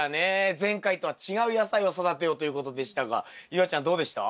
前回とは違う野菜を育てようということでしたが夕空ちゃんどうでした？